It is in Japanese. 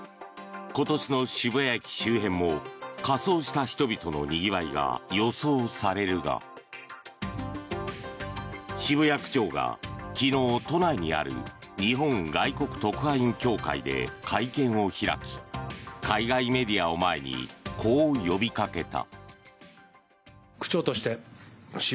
今年の渋谷駅周辺も仮装した人々のにぎわいが予想されるが渋谷区長が昨日、都内にある日本外国特派員協会で会見を開き海外メディアを前にこう呼びかけた。